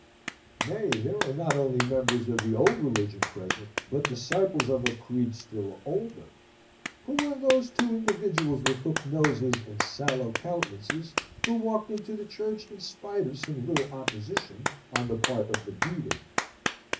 Nay, there are not only members of the old religion present, but disciples of a creed still older. Who are those two individuals with hooked noses and sallow countenances, who worked into the church in spite of some little opposition on the part of the beadle?